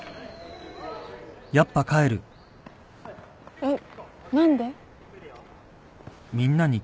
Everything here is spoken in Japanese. えっ何で？